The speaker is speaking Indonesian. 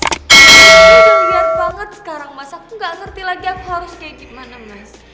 dia udah liar banget sekarang mas aku nggak ngerti lagi aku harus kayak gimana mas